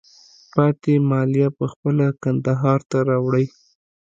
پاتې مالیه په خپله کندهار ته راوړئ.